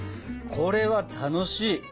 これは楽しい！